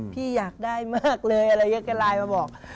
พี่อยากได้มากเลยอะไรเยอะแก่ไลน์มาบอก